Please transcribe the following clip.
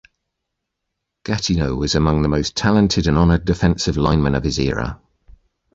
Gastineau was among the most talented and honored defensive linemen of his era.